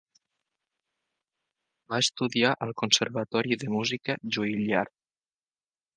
Va estudiar al conservatori de música Juilliard.